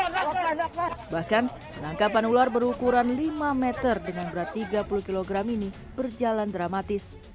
bahkan penangkapan ular berukuran lima meter dengan berat tiga puluh kg ini berjalan dramatis